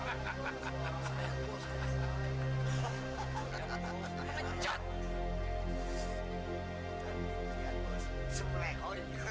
bulan purnama hampir sempurna